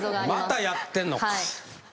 またやってんのか。